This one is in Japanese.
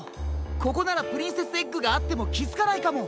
ここならプリンセスエッグがあってもきづかないかも。